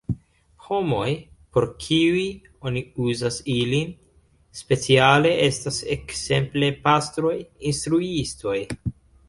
Homoj, por kiuj oni uzas ilin, speciale estas ekzemple pastroj, instruistoj.